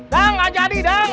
dang nggak jadi dang